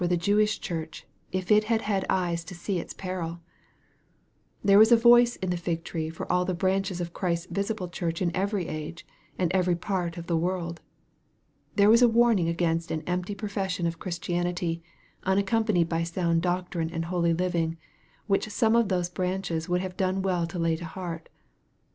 the Jewish Church if it had had eyes to see its peril t There was a voice in the fig tree for all the branches oi Christ's visible Church in every age, and every part of the world. There was a warning against an empty pro fession of Christianity unaccompanied by sou ad doctrine and holy living, which some of those branches would have done well to lay to heart.